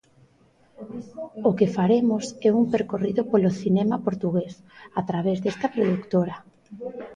O que faremos é un percorrido polo cinema portugués a través desta produtora.